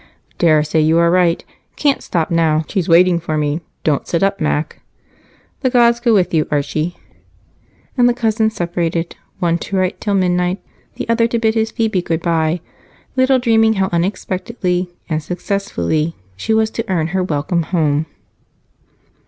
"Daresay you are right. Can't stop now she's waiting for me. Don't sit up, Mac." "The gods go with you, Archie." And the cousins separated one to write till midnight, the other to bid his Phebe good bye, little dreaming how unexpectedly and successfully she was to earn her welcome home.